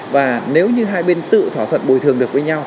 và nếu như hai bên tự thỏa thuận bồi thường được với nhau